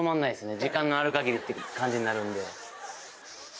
時間のある限りって感じになるんで。